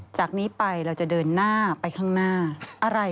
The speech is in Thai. จากนี้ไปเราจะเดินหน้าไปข้างหน้าอะไร